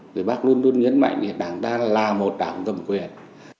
người bác luôn luôn nhấn mạnh là đảng ta là một đảng cầm quyền